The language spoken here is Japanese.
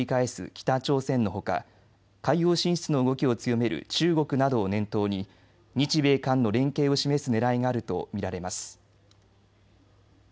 北朝鮮のほか、海洋進出の動きを強める中国などを念頭に日米韓の連携を示すねらいがあると見られます。